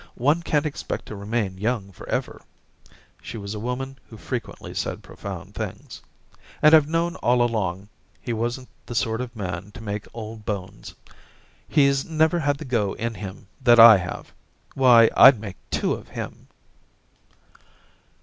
One can't expect to remain young for ever '— she was a woman who frequently said profound things — *and I've known all along he wasn't the sort of man to make old bones. He's never had the go in him that I have. Why, I'd make two of him.'